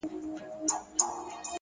حقیقت تل خپله لاره پیدا کوي!